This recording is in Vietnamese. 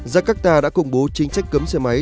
jakarta đã công bố chính sách cấm xe máy